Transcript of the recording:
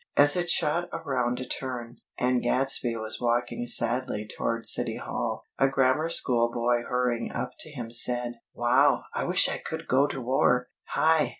As it shot around a turn, and Gadsby was walking sadly toward City Hall, a Grammar School boy hurrying up to him said: "Wow!! I wish I could go to war!" "Hi!"